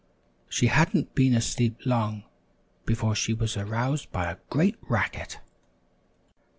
She hadn't been asleep long before she was aroused by a great racket.